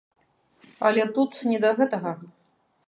Але тут не да гэтага.